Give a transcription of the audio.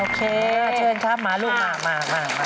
โอเคเชิญครับมาลูกมามาค่ะ